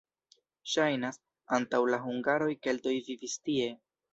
Ŝajnas, antaŭ la hungaroj keltoj vivis tie.